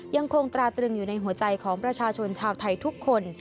ยังคงตราตรึงอยู่ในหัวใจของประชาชนชาวไทยทุกคน